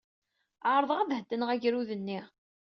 Ɛerḍeɣ ad heddneɣ agrud-nni.